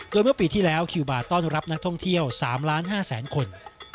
โดยเมื่อปีที่แล้วคิวบาร์ต้อนรับนักท่องเที่ยว๓๕๐๐๐คน